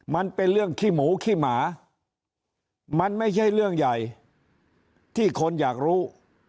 มันเป็นเรื่องขี้หมูขี้หมามันไม่ใช่เรื่องใหญ่ที่คนอยากรู้